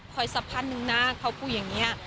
คอยสะพัดหนึ่งน่ะเขาพูดอย่างเงี้ย